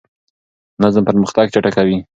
نظم پرمختګ چټکوي.